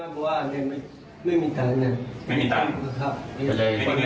ใครทราบเอง